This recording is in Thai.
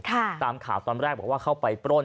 ตามข่าวตอนแรกบอกว่าเข้าไปปล้น